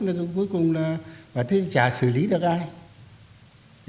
nhưng mà cuối cùng là chả xử lý được ai